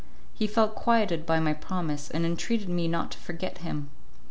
He felt quieted by my promise, and entreated me not to forget him.